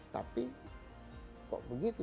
tapi kok begitu